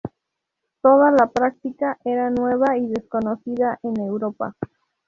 Toda la práctica era nueva y desconocida en Europa.